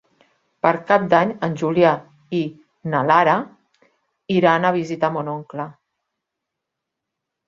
Per Cap d'Any en Julià i na Lara iran a visitar mon oncle.